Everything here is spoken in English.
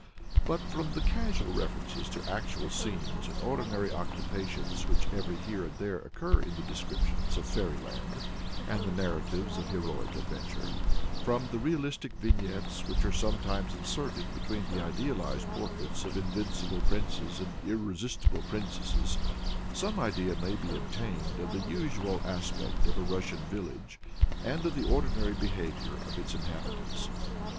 But from the casual references to actual scenes and ordinary occupations which every here and there occur in the descriptions of fairy land and the narratives of heroic adventure from the realistic vignettes which are sometimes inserted between the idealized portraits of invincible princes and irresistible princesses some idea may be obtained of the usual aspect of a Russian village, and of the ordinary behavior of its inhabitants.